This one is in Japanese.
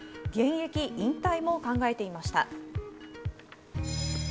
現役引退も考えていました。